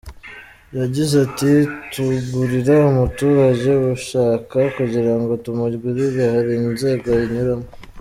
Yagize ati “Tugurira umuturage ubishaka, kugirango tumugurire hari inzego anyuramo.